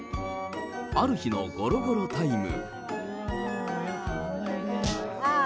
ある日のごろごろタイム。